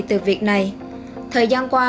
từ việc này thời gian qua